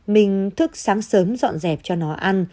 mình thức sáng sớm dọn dẹp cho nó ăn